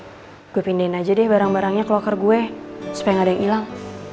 gue pindahin aja deh barang barangnya ke loker gue supaya gak ada yang hilang